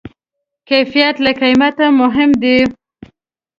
کیفیت له قیمته مهم دی.